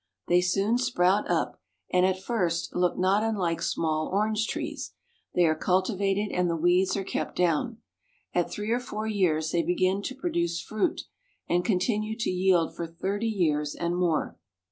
They soon sprout up, and at first look not unlike small orange trees. They are cultivated, and the weeds are kept down. At three or four years they begin to produce fruit, and continue to yield for thirty years and more.